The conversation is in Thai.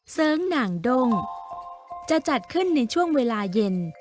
เสิร์งหน่างด้งจะจัดขึ้นในช่วงเวลาเย็น